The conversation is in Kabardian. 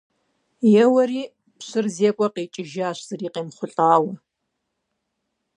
Еуэри, пщыр зекӀуэ къикӀыжащ зыри къемыхъулӀауэ.